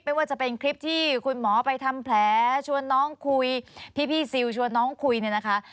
ไม่ว่าจะเป็นคลิปที่คุณหมอไปทำแผลชวนน้องคุยพี่ซิลชวนน้องคุยเนี่ยนะคะ